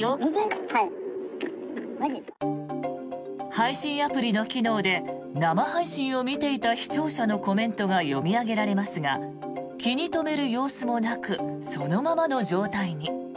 配信アプリの機能で生配信を見ていた視聴者のコメントが読み上げられますが気に留める様子もなくそのままの状態に。